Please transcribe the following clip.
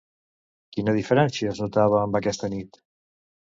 Quina diferència es notava amb aquesta nit?